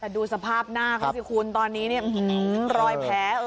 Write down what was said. ดูสภาพหน้าเขาสิคุณตอนนี้นี่หื้อหลอยแผล